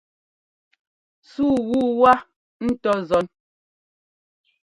Súu wu wá ŋ́tɔ zɔ́n.